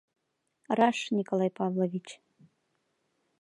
— Раш, Николай Павлович.